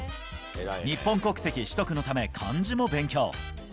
日本国籍取得のため、漢字も勉強。